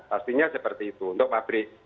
pastinya seperti itu untuk pabrik